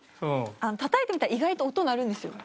たたいてみたら意外と音鳴るんですよ。